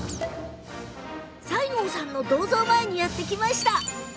西郷さんの銅像前にやって来ました。